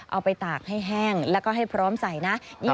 ไปตากให้แห้งแล้วก็ให้พร้อมใส่นะ